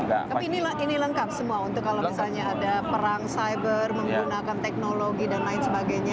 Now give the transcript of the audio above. tapi ini lengkap semua untuk kalau misalnya ada perang cyber menggunakan teknologi dan lain sebagainya